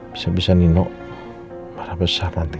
bisa bisa nino berapa besar nanti